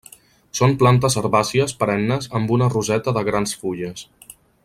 Són plantes herbàcies perennes amb una roseta de grans fulles.